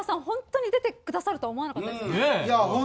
本当に出てくださるとは思わなかったですよね。